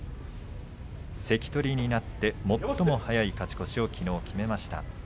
関取になって最も早い勝ち越しをきのう決めました。